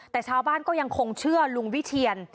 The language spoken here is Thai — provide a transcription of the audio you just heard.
แต่ชาวบ้านก็ยังคงเชื่อลุงวิเทียน